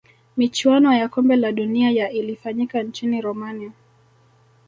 michuano ya kombe la dunia ya ilifanyika nchini romania